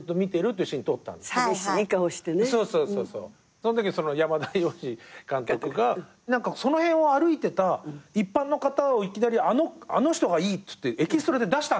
そのとき山田洋次監督がその辺を歩いてた一般の方をいきなり「あの人がいい」って言ってエキストラで出したんですよ。